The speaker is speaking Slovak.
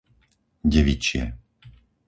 Devičie